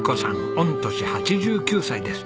御年８９歳です。